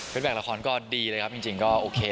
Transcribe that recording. เป็นแบบละครก็ดีเลยครับจริงก็โอเค